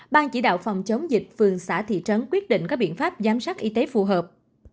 ban chỉ đạo phòng chống dịch phường xã thị trấn quyết định có biện pháp giám sát y tế phù hợp